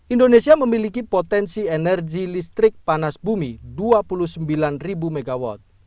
indonesia memiliki potensi energi listrik panas bumi dua puluh sembilan mw